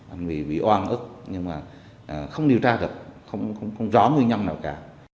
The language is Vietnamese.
anh ấy bị oan ức nhưng mà không điều tra được không rõ nguyên nhân nào cả